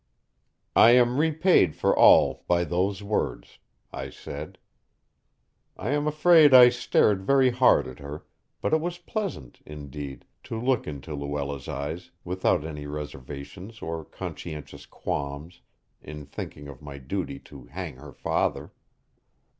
"I am repaid for all by those words," I said. I am afraid I stared very hard at her, but it was pleasant, indeed, to look into Luella's eyes without any reservations or conscientious qualms in thinking of my duty to hang her father.